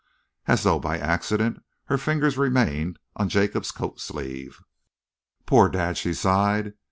As though by accident, her fingers remained on Jacob's coat sleeve. "Poor dad!" she sighed.